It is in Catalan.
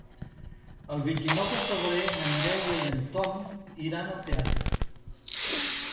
El vint-i-nou de febrer na Mireia i en Tom iran al teatre.